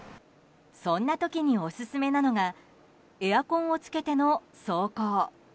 そんな時におすすめなのがエアコンをつけての走行。